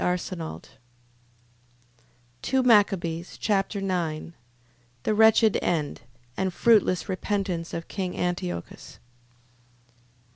2 Machabees Chapter 9 The wretched end, and fruitless repentance of king Antiochus.